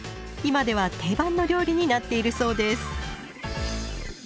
今では定番の料理になっているそうです。